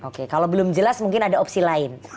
oke kalau belum jelas mungkin ada opsi lain